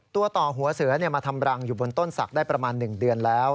ตัวต่อหัวเสือมาทำรังอยู่บนต้นศักดิ์ได้ประมาณ๑เดือนแล้ว